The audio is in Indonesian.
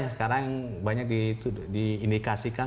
sekarang banyak diindikasikan